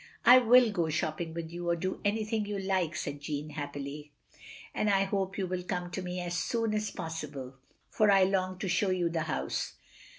"I will go shopping with you, or do anything you like," said Jeanne, happily, "and I hope you will come to me as soon as possible, for I long to show you the house.